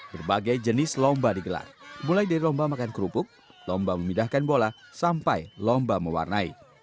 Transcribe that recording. berbagai jenis lomba digelar mulai dari lomba makan kerupuk lomba memindahkan bola sampai lomba mewarnai